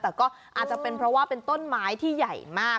แต่ก็อาจจะเป็นเพราะว่าเป็นต้นไม้ที่ใหญ่มาก